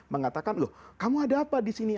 mengatakan loh kamu ada apa di sini